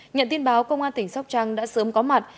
nhận tin báo công an tỉnh sóc trăng đã sớm có mặt